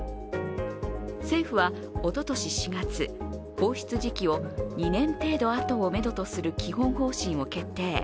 政府はおととし４月、放出時期を２年程度後をめどとする基本方針を決定。